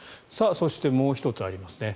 そしてもう１つありますね。